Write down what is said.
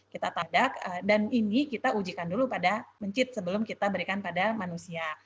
kita tadak dan ini kita ujikan dulu pada mencit sebelum kita berikan pada manusia